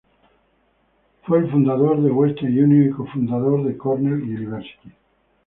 Fue el fundador de Western Union y cofundador de Cornell University.